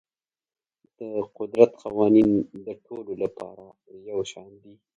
د قدرت قوانین د ټولو لپاره یو شان دي.